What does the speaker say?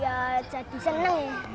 ya jadi senang ya